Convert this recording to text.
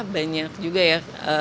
banyak juga ya